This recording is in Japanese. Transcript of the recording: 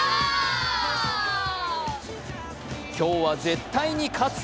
今日は絶対に勝つ！